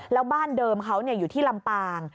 แล้วบ้านเดิมเขาอยู่ที่ลำปาง